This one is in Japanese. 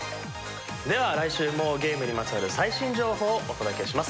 では来週もゲームにまつわる最新情報をお届けします。